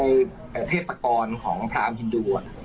ในเทพประกรณ์ของพระอำฮินดู